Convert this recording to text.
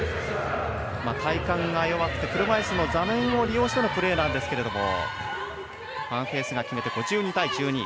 体幹が弱くて車いすの座面を使ってのプレーなんですけれどもファンヘースが決めて５２対１２。